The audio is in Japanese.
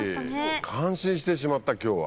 感心してしまった今日は。